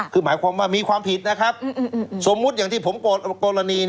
คือหมายความว่ามีความผิดนะครับสมมุติอย่างที่ผมกรณี